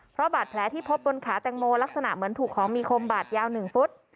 เพราะบาดแผลที่พบบนขาแตงโมลักษณะเหมือนถูกของมีคมบาดยาว๑ฟุต